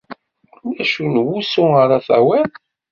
D acu n wusu ara tawiḍ?